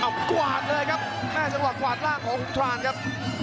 เอ้าไกวดเลยครับในยังวาดขวาดร่างออหุงทรานครับ